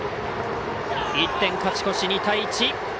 １点勝ち越し、２対１。